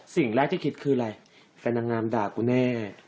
สิ่งแรกที่คิดคืออะไรแฟนนางงามด่ากูแน่